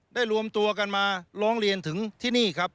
รวมตัวกันมาร้องเรียนถึงที่นี่ครับ